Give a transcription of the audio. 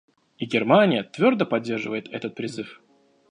И Германия твердо поддерживает этот призыв.